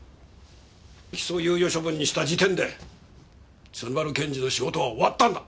起訴猶予処分にした時点で鶴丸検事の仕事は終わったんだ！